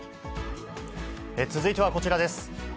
続いてはこちらです。